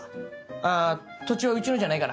あぁ土地はうちのじゃないから。